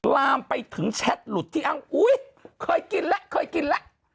ลามไปถึงแชทหลุดที่อ้างอุ๊ยเคยกินแล้วเคยกินแล้ว